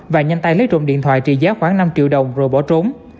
và nhanh tay lấy trộm điện thoại trị giá khoảng năm triệu đồng rồi bỏ trốn